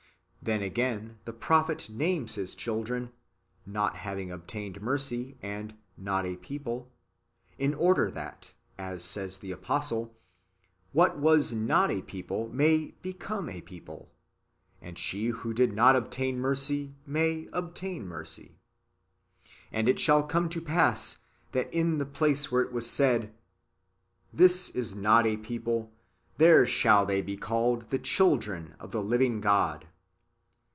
"^ Then again, the prophet names his children, " ISTot having obtained mercy," and " Not a people,"^ in order that, as says the apostle, " what was not a people may become a people ; and she who did not obtain mercy may obtain mercy. And it shall come to pass, that in the place wdiere it w^as said. This is not a people, there shall they be called the children of the living God."